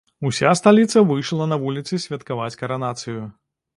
Уся сталіца выйшла на вуліцы святкаваць каранацыю.